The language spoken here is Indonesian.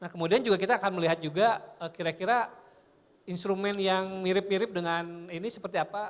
kemudian juga kita akan melihat juga kira kira instrumen yang mirip mirip dengan ini seperti apa